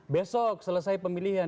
besok selesai pemilihan